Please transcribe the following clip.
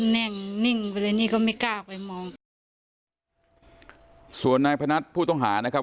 แน่นิ่งนิ่งไปเลยนี่ก็ไม่กล้าไปมองส่วนนายพนัทผู้ต้องหานะครับ